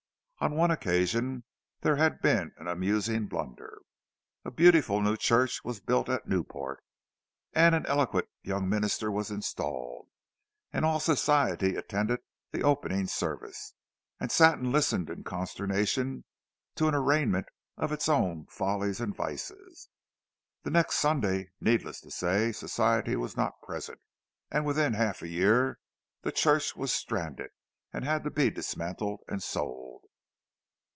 —On one occasion there had been an amusing blunder; a beautiful new church was built at Newport, and an eloquent young minister was installed, and all Society attended the opening service—and sat and listened in consternation to an arraignment of its own follies and vices! The next Sunday, needless to say, Society was not present; and within half a year the church was stranded, and had to be dismantled and sold!